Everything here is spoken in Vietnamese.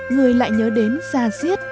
người lại nhớ đến ra diết